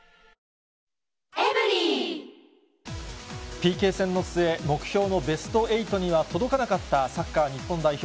ＰＫ戦の末、目標のベスト８には届かなかったサッカー日本代表。